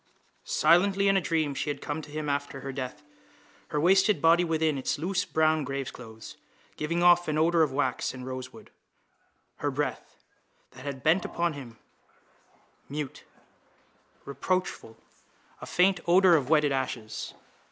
Silently, in a dream she had come to him after her death, her wasted body within its loose brown graveclothes giving off an odour of wax and rosewood, her breath, that had bent upon him, mute, reproachful, a faint odour of wetted ashes.